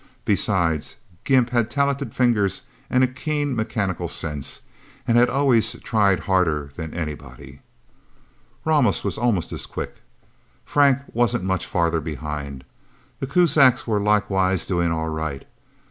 Besides, Gimp had talented fingers and a keen mechanical sense, and had always tried harder than anybody. Ramos was almost as quick. Frank wasn't much farther behind. The Kuzaks were likewise doing all right.